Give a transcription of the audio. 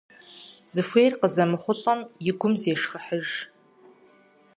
Зыхуейр къызэмыхъулӀэм и гум зешхыхьыж.